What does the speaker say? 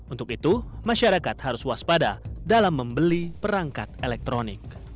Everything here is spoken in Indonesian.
untuk itu masyarakat harus waspada dalam membeli perangkat elektronik